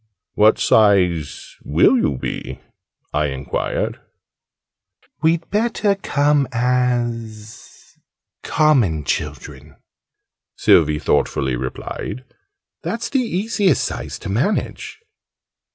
"What size will you be?" I enquired. "We'd better come as common children," Sylvie thoughtfully replied. "That's the easiest size to manage."